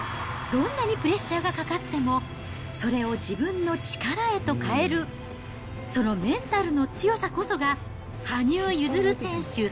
どんなにプレッシャーがかかっても、それを自分の力へと変える、そのメンタルの強さこそが、羽生結弦選手